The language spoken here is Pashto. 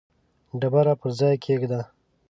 ډبره پر ځای کښېږده.